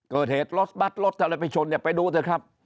เกิดเหตุรถบัตรรถธรรมชนอย่าไปดูเถอะครับ